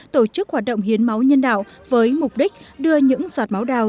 tổ chức hoạt động hiến máu nhân đạo với mục đích đưa những giọt máu đào